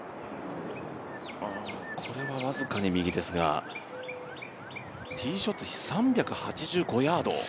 これは僅かに右ですがティーショット３８５ヤード。